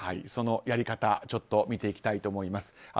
そのやり方ちょっと見ていきたいと思います。